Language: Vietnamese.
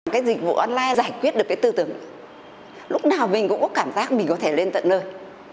cái dịch vụ online giải quyết được cái tư tưởng lúc nào mình cũng có cảm giác mình có thể lên tận nơi